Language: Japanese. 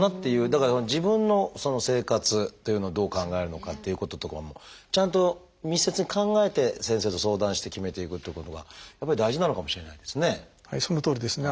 だから自分の生活というのをどう考えるのかっていうこととかもちゃんと密接に考えて先生と相談して決めていくっていうことがやっぱり大事なのかもしれないですね。